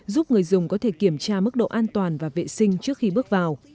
giúp người dùng có thể kiểm tra mức độ an toàn và vệ sinh trước khi bước vào